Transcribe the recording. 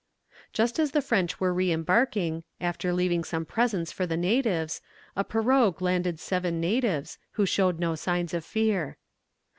Just as the French were re embarking, after leaving some presents for the natives, a pirogue landed seven natives, who showed no signs of fear.